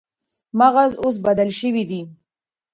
مغز اوس بدل شوی دی.